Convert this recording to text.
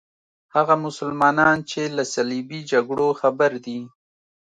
هغه مسلمانان چې له صلیبي جګړو خبر دي.